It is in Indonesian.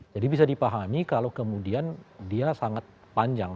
jadi bisa dipahami kalau kemudian dia sangat panjang